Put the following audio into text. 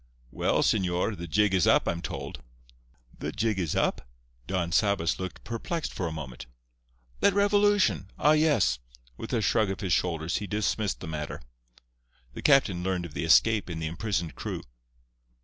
"Well, señor, the jig is up, I'm told." "The jig is up?" Don Sabas looked perplexed for a moment. "That revolution—ah, yes!" With a shrug of his shoulders he dismissed the matter. The captain learned of the escape and the imprisoned crew.